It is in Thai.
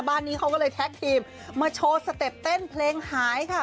บ้านนี้เขาก็เลยแท็กทีมมาโชว์สเต็ปเต้นเพลงหายค่ะ